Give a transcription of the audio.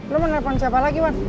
lo mau telepon siapa lagi bon